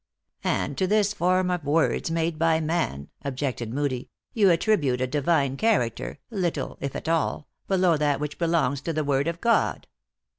" And to this form of words, made by man," ob jected Moodie, " you attribute a divine character, little, if at all, below that which belongs to the word of God."